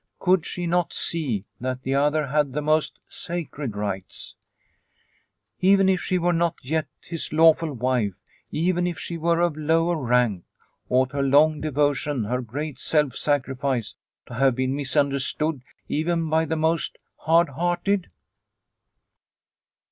Could she not see that the other had the most sacred rights ? Even if she were not yet his lawful wife, even if she were of lower rank, ought her long devo tion, her great self sacrifice, to have been mis understood even by the most hard hearted